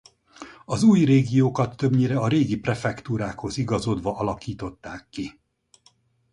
Az új régiókat többnyire a régi prefektúrákhoz igazodva alakították ki.